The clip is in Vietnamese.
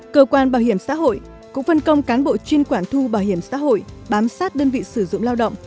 cơ quan bảo hiểm xã hội cũng phân công cán bộ chuyên quản thu bảo hiểm xã hội bám sát đơn vị sử dụng lao động